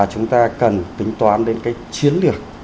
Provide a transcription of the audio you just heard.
chúng ta cần tính toán đến cái chiến lược